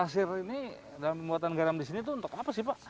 fungsi pasir ini dan pembuatan garam di sini untuk apa